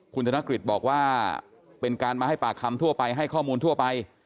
คุณธนกฤษบอกว่าเป็นการมาให้ปากคำทั่วไปให้ข้อมูลทั่วไป